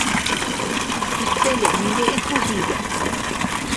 — Китсәле, ниндәй эт булһын өйҙә?